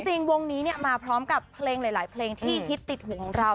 จริงวงนี้มาพร้อมกับเพลงหลายเพลงที่ฮิตติดหูของเรา